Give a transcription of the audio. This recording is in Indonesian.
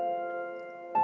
terima kasih tuhan